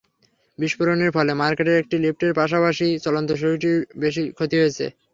বিস্ফোরণের ফলে মার্কেটের একটি লিফটের পাশাপাশি চলন্ত সিঁড়িটির বেশি ক্ষতি হয়েছে।